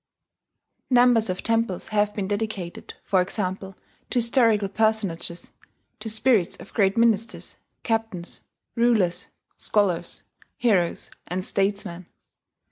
Numbers of temples have been dedicated, for example, to historical personages, to spirits of great ministers, captains, rulers, scholars, heroes, and statesmen.